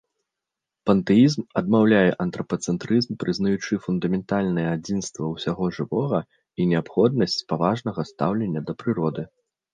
Пантэізм адмаўляе антрапацэнтрызм, прызнаючы фундаментальнае адзінства ўсяго жывога і неабходнасць паважнага стаўлення да прыроды.